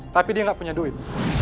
tapi dia nggak punya duit